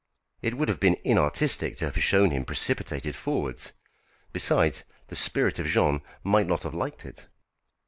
"It would have been inartistic to have shown him precipitated forwards; besides, the spirit of Jean might not have liked it."